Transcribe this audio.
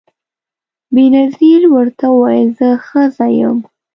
بېنظیر ورته وویل زه ښځه یم